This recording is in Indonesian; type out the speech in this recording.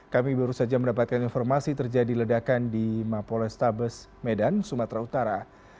kami baru saja mendapatkan informasi terjadi ledakan di mapol restabes medan sumatera utara